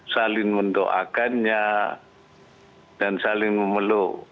saling mendoakannya dan saling memeluk